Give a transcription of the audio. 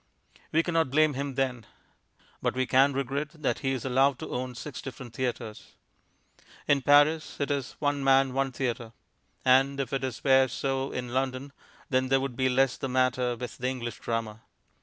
We cannot blame him then. But we can regret that he is allowed to own six different theatres. In Paris it is "one man, one theatre," and if it were so in London then there would be less the matter with the English Drama.